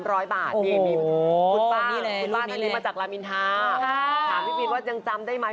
โอ้โฮคุณป้าคุณป้าทะเลมาจากลามินท้าถามพี่ปินว่ายังจำได้ไหม